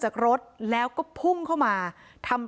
โปรดติดตามต่อไป